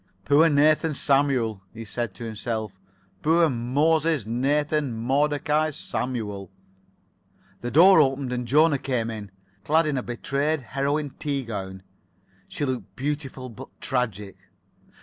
"Poor Nathan Samuel!" he said to himself. "Poor Moses Nathan Modecai Samuel!" The door opened and Jona came in, clad in a betrayed heroine tea gown. She looked beautiful but tragic.